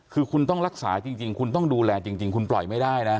คือคุณต้องรักษาจริงคุณต้องดูแลจริงคุณปล่อยไม่ได้นะ